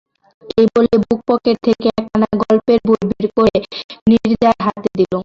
এই বলে বুকের পকেট থেকে একখানা গল্পের বই বের করে নীরজার হাতে দিল।